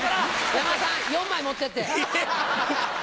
山田さん４枚持ってって。